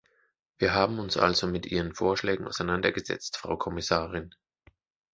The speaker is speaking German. Wir haben uns also mit Ihren Vorschlägen auseinandergesetzt, Frau Kommissarin.